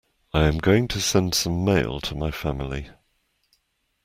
I am going to send some mail to my family.